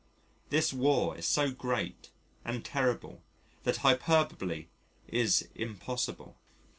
This War is so great and terrible that hyperbole is impossible.